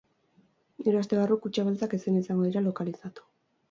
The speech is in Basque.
Hiru aste barru kutxa beltzak ezin izango dira lokalizatu.